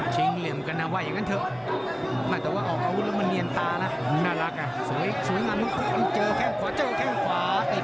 จิ๊งเหลี่ยมกระนว่าอย่างนั้นเถอะ